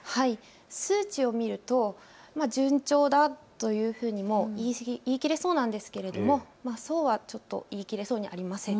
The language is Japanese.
数値を見ると順調だというふうにも言い切れそうなんですけれどもそうは言い切れそうにありません。